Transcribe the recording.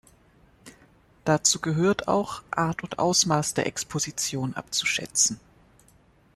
Dazu gehört auch, „Art und Ausmaß der Exposition“ abzuschätzen.